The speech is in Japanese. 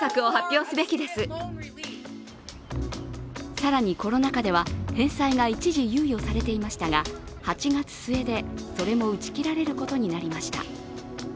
更に、コロナ禍では返済が一時猶予されていましたが、８月末でそれも打ち切られることになりました。